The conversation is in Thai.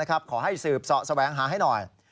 ขอให้สืบเสาะแสวงหาให้หน่อย